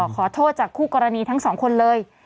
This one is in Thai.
ขอโทษจากคู่กรณีทั้งสองคนเลย